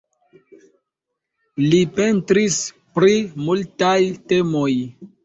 Li pentris pri multaj temoj.